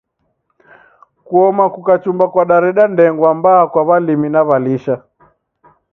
Kuoma kukachumba kwadareda ndengwa mbaa kwa walimi na walisha.